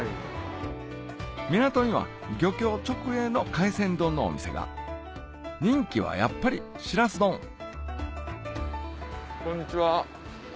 港には漁協直営の海鮮丼のお店が人気はやっぱりしらす丼こんにちは。